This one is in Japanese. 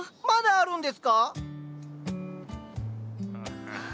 まだあるんですか